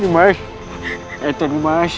mas ini dia